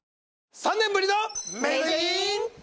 ３年ぶりの！